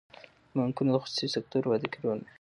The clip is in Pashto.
بانکونه د خصوصي سکتور په وده کې رول لري.